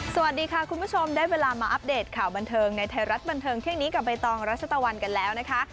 สวัสดีค่ะคุณผู้ชมได้เวลามาอัปเดตข่าวบันเทิงในไทยรัฐบันเทิงเที่ยงนี้กับใบตองรัชตะวันกันแล้วนะคะ